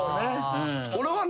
俺はね